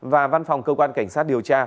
và văn phòng cơ quan cảnh sát điều tra